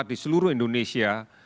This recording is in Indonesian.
di seluruh indonesia